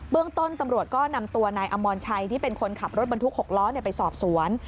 เรื่องต้นตำรวจก็นำตัวนายอมรชัยที่เป็นคนขับรถบรรทุก๖ล้อไปสอบสวน